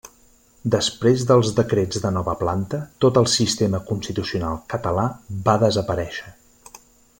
Després dels decrets de Nova Planta tot el sistema constitucional català va desaparèixer.